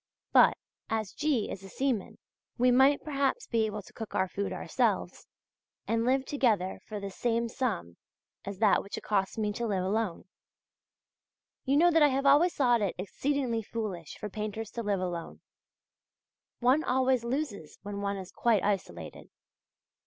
But, as G. is a seaman, we might perhaps be able to cook our food ourselves, and live together for the same sum as that which it costs me to live alone. You know that I have always thought it exceedingly foolish for painters to live alone; one always loses when one is quite isolated.